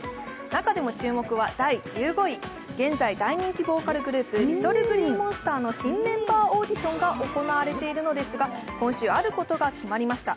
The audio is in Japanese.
中でも注目は第１５位、現在、大人気ボーカルグループのＬｉｔｔｌｅＧｌｅｅＭｏｎｓｔｅｒの新メンバーオーディションが行われているのですが、今週、あることが決まりました。